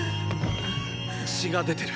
血が出てる。